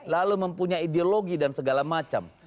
lalu mempunyai ideologi dan segala macam